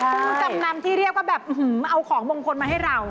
ผู้จำนำที่เรียกว่าแบบเอาของมงคลมาให้เรา